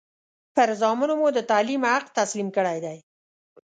پر زامنو مو د تعلیم حق تسلیم کړی دی.